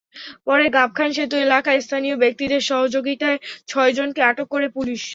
পরে গাবখান সেতু এলাকায় স্থানীয় ব্যক্তিদের সহযোগিতায় ছয়জনকে আটক করে পুলিশ।